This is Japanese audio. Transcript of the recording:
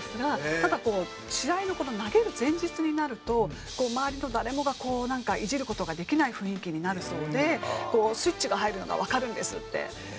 ただ試合の投げる前日になると周りの誰もがこうなんかイジる事ができない雰囲気になるそうで「スイッチが入るのがわかるんです」って話してましたね。